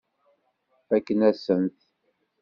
Fakken-asen-t.